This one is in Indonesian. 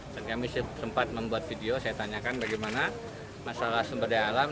dan kami sempat membuat video saya tanyakan bagaimana masalah sumber daya alam